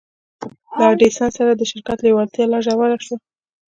له ايډېسن سره د شراکت لېوالتیا يې لا ژوره شوه.